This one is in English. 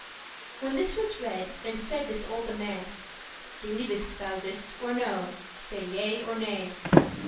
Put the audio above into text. When this was read, then said this olde man, "Believ'st thou this or no? say yea or nay."